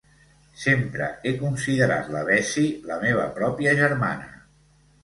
Sempre he considerat la Bessie la meva pròpia germana.